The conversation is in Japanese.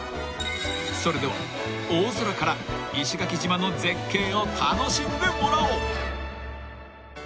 ［それでは大空から石垣島の絶景を楽しんでもらおう］